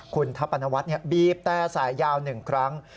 คุณทัพปนวัดเนี่ยบีบแต่ใส่ยาว๑ครั้ง